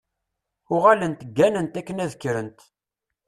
Uɣalent gganent akken ad kkrent.